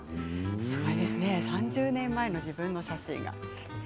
すごいですね３０年前の自分の写真。